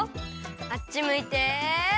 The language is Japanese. あっちむいて。